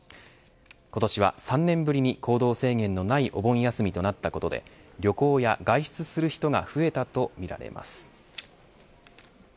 今年は３年ぶりに行動制限のないお盆休みとなったことで旅行や外出する人が増えたとみられます。